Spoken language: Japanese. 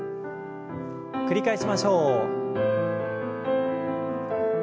繰り返しましょう。